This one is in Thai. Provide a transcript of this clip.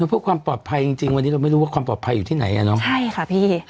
เพื่อความปลอดภัยจริงจริงวันนี้เราไม่รู้ว่าความปลอดภัยอยู่ที่ไหนอ่ะเนอะใช่ค่ะพี่